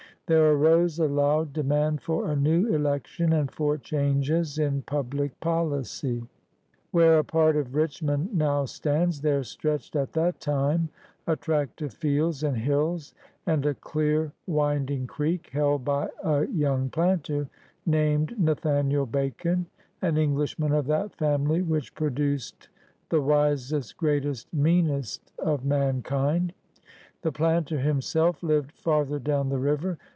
There arose a loud de mand for a new election and for changes in public policy. NATHANIEL BACON 168 Where a part of Richmond now stands, there stretched at that time a tract of fields and hills and a dear winding creek, held by a young planter named Nathaniel Bacon, an Englishman of that family which produced "the wisest, greatest, meanest of mankind. '' The planter himself lived farther down the river.